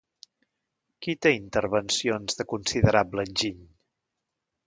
Qui té intervencions de considerable enginy?